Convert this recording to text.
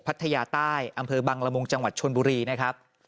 พัทยาใต้อำเภอบังละมุงจังหวัดชนบุรีนะครับ